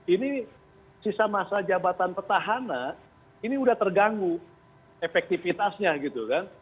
ini sisa masa jabatan petahana ini udah terganggu efektifitasnya gitu kan